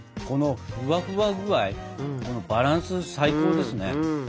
このバランス最高ですね。